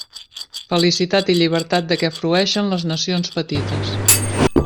Felicitat i llibertat de què frueixen les nacions petites.